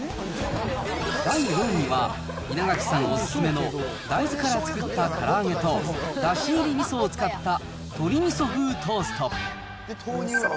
第４位は、稲垣さんお勧めの大豆から作ったから揚げと、だし入りみそを使ったとり味噌風トースト。